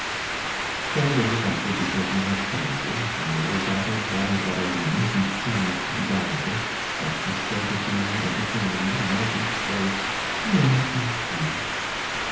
Ten days after deserting his family, when they were gathered round Adeline, who seemed to be dying, as she said again and again, in a weak voice, "Where is he?"